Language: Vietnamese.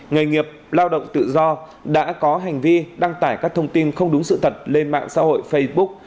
nghề nghiệp lao động tự do đã có hành vi đăng tải các thông tin không đúng sự thật lên mạng xã hội facebook